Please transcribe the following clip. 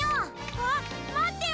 あっまってよ